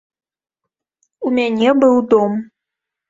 У мяне быў дом.